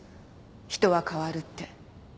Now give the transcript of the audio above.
人は変わるって。